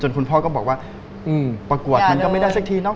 คุณพ่อก็บอกว่าประกวดมันก็ไม่ได้สักทีเนาะ